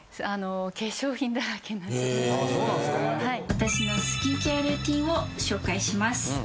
私のスキンケアルーティンを紹介します。